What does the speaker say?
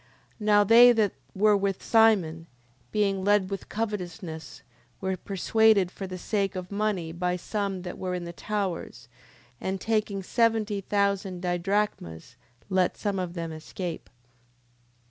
10:20. Now they that were with Simon, being led with covetousness, were persuaded for the sake of money by some that were in the towers: and taking seventy thousand didrachmas, let some of them escape.